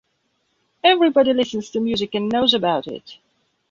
Everybody listens to music and knows about it.